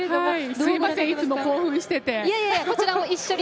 すみませんいつも興奮していて。